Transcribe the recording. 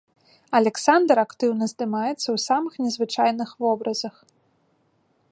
Аляксандр актыўна здымаецца ў самых незвычайных вобразах.